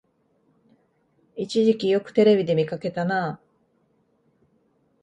一時期よくテレビで見かけたなあ